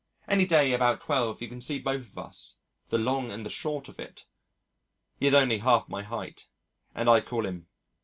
Any day about twelve you can see both of us, "the long and the short of it" (he is only half my height and I call him